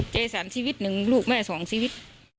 เจสันชีวิตหนึ่งลูกแม่สองชีวิต